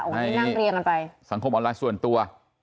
ในสังคมออนไลน์ส่วนตัว